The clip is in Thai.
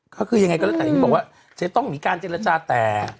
ก็คือยังไงก็แล้วแต่อย่างที่บอกว่าจะต้องมีการเจรจาแต่